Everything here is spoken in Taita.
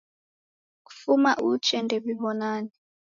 Kufuma uchee ndediw'onane.